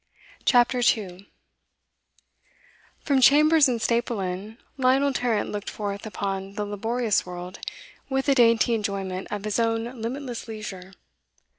CHAPTER 2 From chambers in Staple Inn, Lionel Tarrant looked forth upon the laborious world with a dainty enjoyment of his own limitless leisure.